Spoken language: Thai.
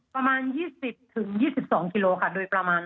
ประมาณ๒๐๒๒กิโลค่ะโดยประมาณ